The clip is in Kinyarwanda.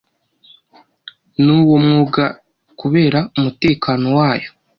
n uwo mwugakubera umutekano wayo